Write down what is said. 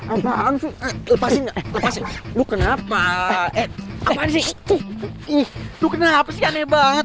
apaan sih lepasin lepasin lu kenapa eh apaan sih itu tuh kenapa sih aneh banget